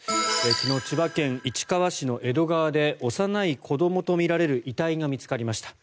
昨日、千葉県市川市の江戸川で幼い子どもとみられる遺体が見つかりました。